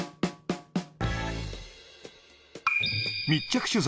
密着取材